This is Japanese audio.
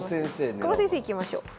久保先生いきましょう。